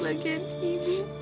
maafin liat bagian ibu